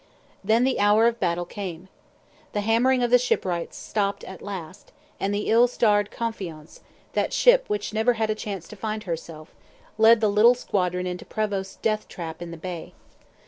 Then the hour of battle came. The hammering of the shipwrights stopped at last; and the ill starred Confiance, that ship which never had a chance to 'find herself,' led the little squadron into Prevost's death trap in the bay.